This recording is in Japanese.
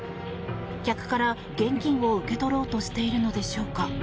客から現金を受け取ろうとしているのでしょうか。